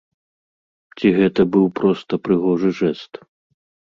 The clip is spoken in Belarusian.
Ці гэта быў проста прыгожы жэст?